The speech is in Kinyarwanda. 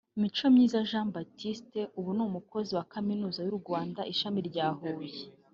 Micomyiza Jean Baptiste ubu ni umukozi wa Kaminuza y’u Rwanda ishami rya Huye